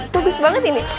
bagus banget ini